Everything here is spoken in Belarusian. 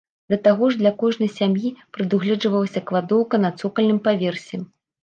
Да таго ж для кожнай сям'і прадугледжвалася кладоўка на цокальным паверсе.